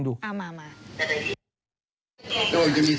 ก็ว่าใครที่ใครที่ขนลุกอ่ะ